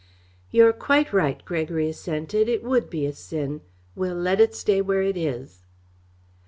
"You're quite right," Gregory assented, "it would be a sin. We'll let it stay where it is."